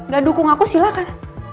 gak dukung aku silahkan